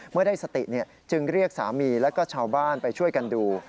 เมื่อได้สติจึงเรียกสามีแล้วก็ชาวบ้านไปช่วยกันดู